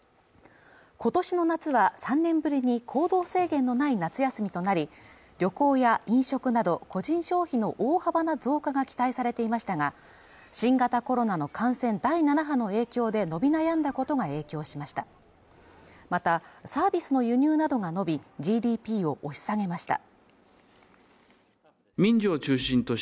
今年の夏は３年ぶりに行動制限のない夏休みとなり旅行や飲食など個人消費の大幅な増加が期待されていましたが新型コロナの感染第７波の影響で伸び悩んだことが影響しましたまたサービスの輸入などが伸びＧＤＰを押し下げました